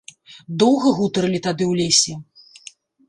Доўга гутарылі тады ў лесе.